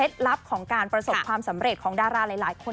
ลับของการประสบความสำเร็จของดาราหลายคน